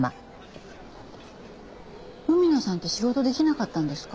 海野さんって仕事できなかったんですか？